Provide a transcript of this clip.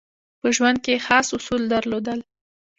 په ژوند کې یې خاص اصول درلودل.